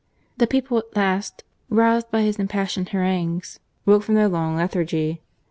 The people at last, roused by his impassioned harangues, woke from their long lethargy.